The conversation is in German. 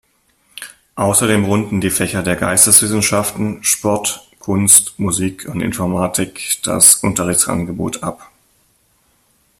Außerdem runden die Fächer der Geisteswissenschaften, Sport, Kunst, Musik und Informatik das Unterrichtsangebot ab.